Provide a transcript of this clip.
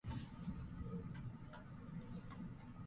北海道芦別市